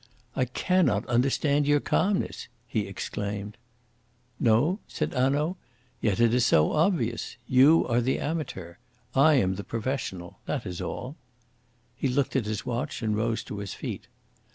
"I cannot understand your calmness," he exclaimed. "No?" said Hanaud. "Yet it is so obvious. You are the amateur, I am the professional that is all." He looked at his watch and rose to his feet.